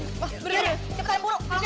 berhenti cepetan burung